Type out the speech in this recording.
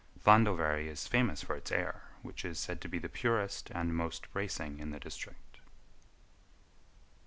Llandovery is famous for its air, which is said to be the purest and most bracing in the district.